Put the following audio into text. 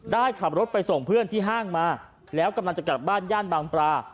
ได้ขับรถไปส่งเพื่อนที่ห้างมาแล้วกำลังจะกลับบ้านย่านบางปลา